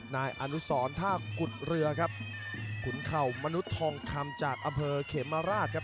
นายอนุสรท่ากุฎเรือครับขุนเข่ามนุษย์ทองคำจากอำเภอเขมราชครับ